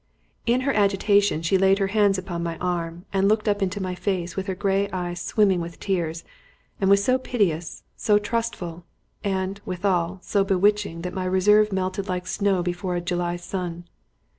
In her agitation she laid her hands on my arm and looked up into my face with her grey eyes swimming with tears, and was so piteous, so trustful, and, withal, so bewitching that my reserve melted like snow before a July sun.